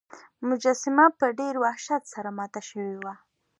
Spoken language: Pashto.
مجسمه په ډیر وحشت سره ماته شوې وه.